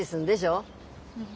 うん。